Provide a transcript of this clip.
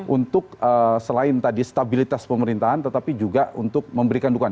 untuk selain tadi stabilitas pemerintahan tetapi juga untuk memberikan dukungan